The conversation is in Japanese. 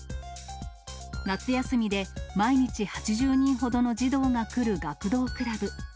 夏休みで、毎日８０人ほどの児童が来る学童クラブ。